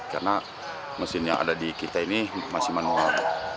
karena mesin yang ada di kita ini masih manual